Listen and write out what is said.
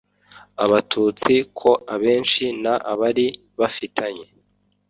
Abatutsi ko abenshi n abari bafitanye